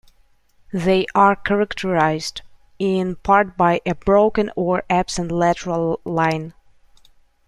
They are characterized in part by a broken or absent lateral line.